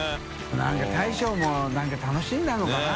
覆鵑大将も楽しんだのかな？